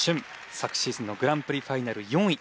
昨シーズンのグランプリファイナル４位。